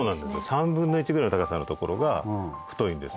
３分の１ぐらいの高さの所が太いんです。